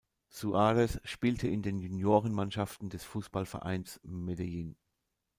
Suárez spielte in den Juniorenmannschaften des Fußballvereins Medellin.